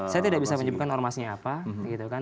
saya tidak bisa menyebutkan ormasnya apa gitu kan